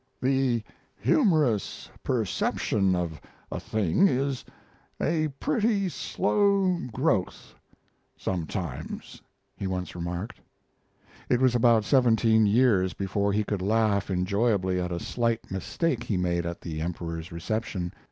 "The humorous perception of a thing is a pretty slow growth sometimes," he once remarked. It was about seventeen years before he could laugh enjoyably at a slight mistake he made at the Emperor's reception.